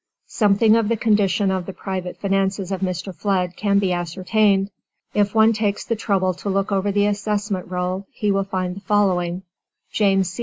Something of the condition of the private finances of Mr. Flood can be ascertained. If one takes the trouble to look over the assessment roll he will find the following: "James C.